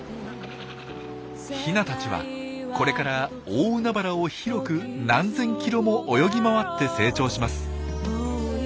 ヒナたちはこれから大海原を広く何千キロも泳ぎ回って成長します。